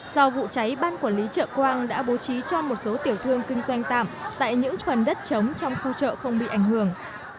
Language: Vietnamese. sau vụ cháy ban quản lý chợ quang đã bố trí cho một số tiểu thương kinh doanh tạm tại những phần đất chống trong khu chợ không bị ảnh hưởng